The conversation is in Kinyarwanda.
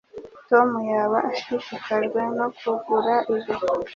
Tom yaba ashishikajwe no kugura ibi